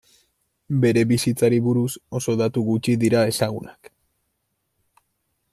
Bere bizitzari buruz oso datu gutxi dira ezagunak.